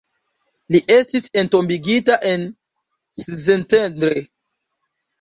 Li estis entombigita en Szentendre.